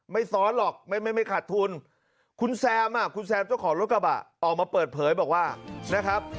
ซ้อนหรอกไม่ไม่ขาดทุนคุณแซมอ่ะคุณแซมเจ้าของรถกระบะออกมาเปิดเผยบอกว่านะครับ